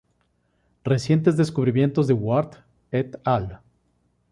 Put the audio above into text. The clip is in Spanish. Recientes descubrimientos de Ward "et al.